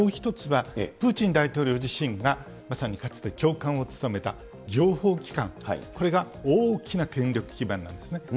もう１つはプーチン大統領自身がまさにかつて長官を務めた情報機関、これが大きな権力基盤なんですね。